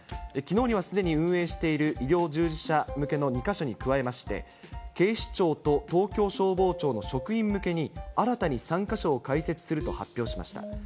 きのうにはすでに運営している医療従事者向けの２か所に加えまして、警視庁と東京消防庁の職員向けに、新たに３か所を開設すると発表しました。